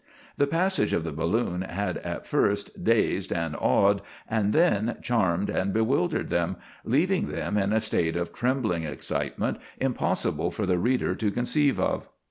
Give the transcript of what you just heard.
The passage of the balloon had at first dazed and awed, and then charmed and bewildered them, leaving them in a state of trembling excitement impossible for the reader to conceive of.